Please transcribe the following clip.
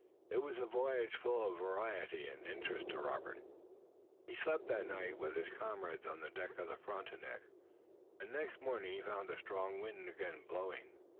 It was a voyage full of variety and interest to Robert. He slept that night with his comrades on the deck of the Frontenac, and the next morning he found a strong wind again blowing.